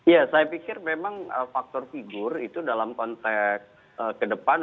ya saya pikir memang faktor figur itu dalam konteks ke depan